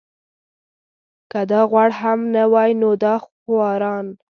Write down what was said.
که دا غوړ هم نه وای نو دا خواران.